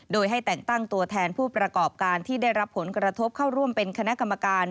โดยให้แต่งตั้งตัวแทนผู้ประกอบการที่ได้รับผลกระทบเข้าร่วมเป็นคณะกรรมการ